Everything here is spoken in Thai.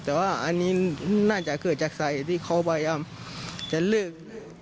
แต่ว่าอันนี้น่าจะเกิดจากใส่ที่เขาพยายามจะเลิก